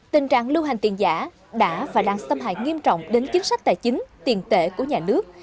tình trạng lưu hành tiền giả đã và đang xâm hại nghiêm trọng đến chính sách tài chính tiền tệ của nhà nước